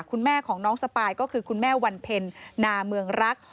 คุณแม่ของน้องสปายก็คือคุณแม่วันเพ็ญนาเมืองรัก